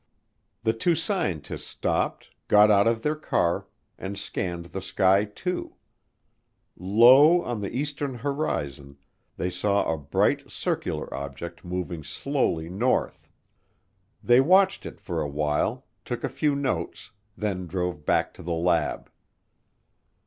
The two scientists stopped, got out of their car, and scanned the sky too. Low on the eastern horizon they saw a bright circular object moving slowly north. They watched it for a while, took a few notes, then drove back to the lab.